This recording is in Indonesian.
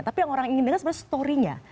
tapi yang orang ingin dengar sebenarnya story nya